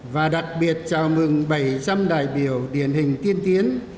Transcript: và đặc biệt chào mừng bảy trăm linh đại biểu điển hình tiên tiến